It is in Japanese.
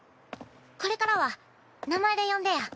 これからは名前で呼んでや。